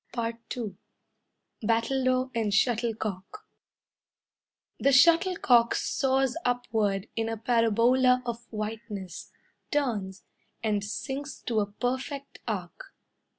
II Battledore and Shuttlecock The shuttlecock soars upward In a parabola of whiteness, Turns, And sinks to a perfect arc.